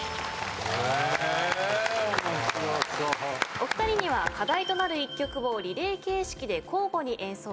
お二人には課題となる１曲をリレー形式で交互に演奏していただきます。